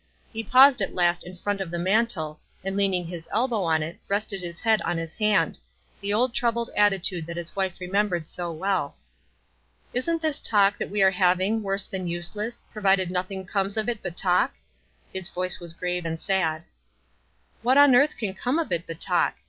He paused at last in front of the mantel, and lean ing his elbow on it, rested his head on his hand — the old troubled attitude that his wife remem bered so well. " Isn't this talk that we are having worse than useless, provided nothing comes of it but talk?" His voice was grave and sad. "What on earth can come of it but talk?"